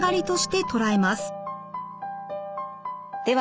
では